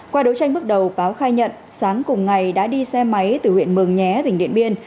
qua đấu tranh bước đầu báo khai nhận sáng cùng ngày đã đi xe máy từ huyện mường nhé tỉnh điện biên